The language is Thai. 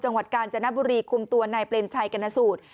จังหวัดกาลจนบุรีคุมตัวในเปลี่ยนไทยกัณฑศูนย์